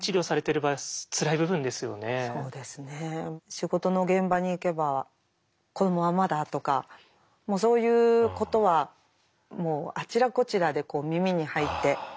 仕事の現場に行けば「子どもはまだ？」とかもうそういうことはもうあちらこちらで耳に入って。